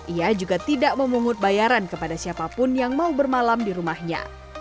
ia juga tidak memungut bayaran kepada siapapun yang mau bermalam di rumahnya